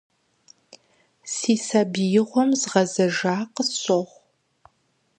Си сабиигъуэм згъэзэжа къысщохъу.